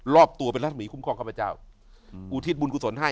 รอบตัวเป็นรัศมีคุ้มครองข้าพเจ้าอุทิศบุญกุศลให้